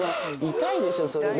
痛いでしょ、それね。